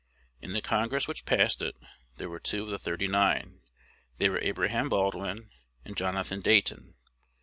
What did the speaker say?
In the Congress which passed it there were two of the "thirty nine:" they were Abraham Baldwin and Jonathan Dayton.